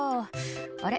「あれ？